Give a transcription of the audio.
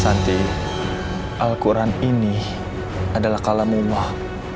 santi alquran ini adalah kalam umah